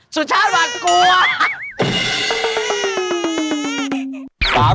สุชาติหวาดกลัว